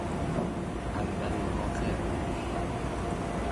اول و آخر